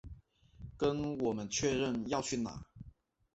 跟我们确认要去哪